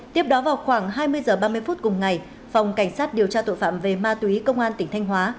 tiếp đó vào khoảng hai mươi h ba mươi phút cùng ngày phòng cảnh sát điều tra tội phạm về ma túy công an tỉnh thanh hóa